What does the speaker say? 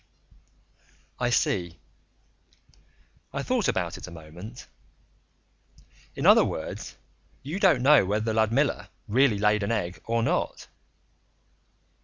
"I see." I thought about it a moment. "In other words, you don't know whether the Ludmilla really laid an egg or not."